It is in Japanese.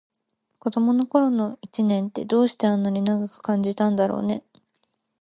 子どもの頃の一年って、どうしてあんなに長く感じたんだろうね。